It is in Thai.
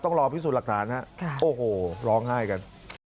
ต้องรอพิสูจน์หลักฐานฮะโอ้โหร้องไห้กัน